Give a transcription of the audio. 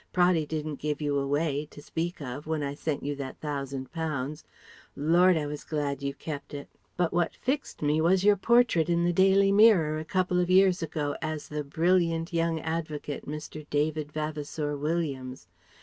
Praddy didn't give you away to speak of, when I sent you that thousand pounds Lord, I was glad you kept it! But what fixed me was your portrait in the Daily Mirror a couple of years ago as 'the Brilliant young Advocate, Mr. David Vavasour Williams.'